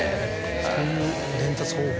そういう伝達方法で。